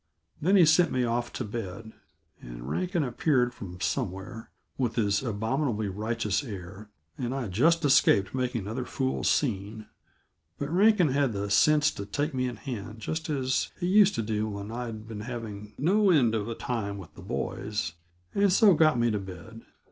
Then he sent me off to bed, and Rankin appeared from somewhere, with his abominably righteous air, and I just escaped making another fool scene. But Rankin had the sense to take me in hand just as he used to do when I'd been having no end of a time with the boys, and so got me to bed.